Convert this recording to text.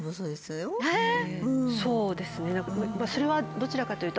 そうですねそれはどちらかというと。